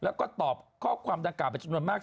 แล้วก็ตอบข้อความดังกล่าเป็นจำนวนมาก